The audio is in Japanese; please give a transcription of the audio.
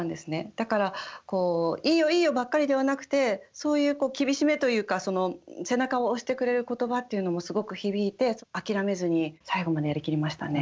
だからこう「いいよいいよ」ばっかりではなくてそういう厳しめというか背中を押してくれる言葉っていうのもすごく響いて諦めずに最後までやりきれましたね。